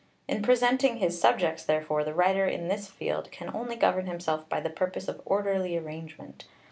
In presenting his subjects, therefore, the writer in this field can only govern himself by the purpose of orderly arrangement.